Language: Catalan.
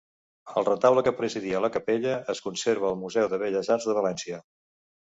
El retaule que presidia la capella es conserva al Museu de Belles Arts de València.